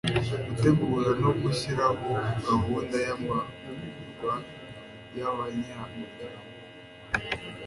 gutegura no gushyiraho gahunda y'amahugurwa y'abanyamuryango